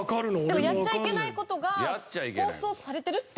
でもやっちゃいけない事が放送されてるって事ですよね？